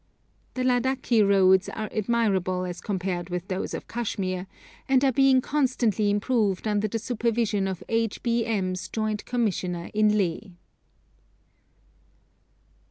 The Ladakhi roads are admirable as compared with those of Kashmir, and are being constantly improved under the supervision of H. B. M.'s Joint Commissioner in Leh.